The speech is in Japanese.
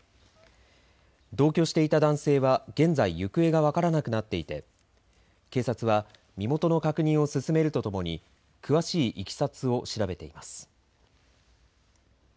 同居していた男性は現在行方が分からなくなっていて警察は身元の確認を進めるととともに詳しいいきさつを調べています。